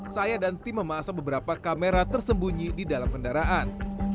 saya dan tim memasang beberapa kamera tersembunyi di dalam kendaraan